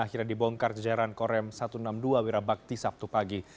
akhirnya dibongkar jejaran korem satu ratus enam puluh dua wirabakti sabtu pagi